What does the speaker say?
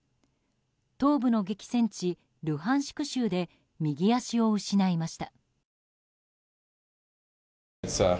東部の激戦地ルハンシク州で右足を失いました。